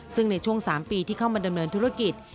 ซึ่งในช่วง๓ปีที่เข้ามาดำเนินธุรกิจ